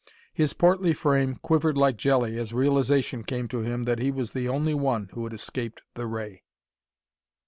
His portly frame quivered like jelly as realization came to him that he was the only one who had escaped the ray.